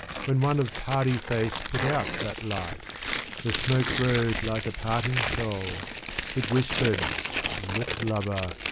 When one of Pari face put out that light ; The smoke rose like a parting soul ; it whispered, *' Look, Lover